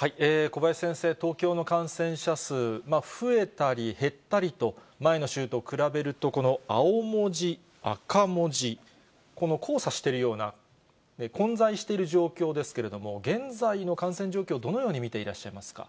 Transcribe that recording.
小林先生、東京の感染者数、増えたり減ったりと、前の週と比べると、この青文字、赤文字、この交差しているような混在している状況ですけれども、現在の感染状況、どのように見ていらっしゃいますか。